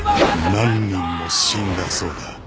何人も死んだそうだ。